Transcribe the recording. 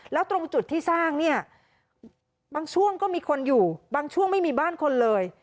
แล้วตรงจุดที่สร้างเนี่ยบางช่วงก็มีคนอยู่บางช่วงไม่มีบ้านคนเลย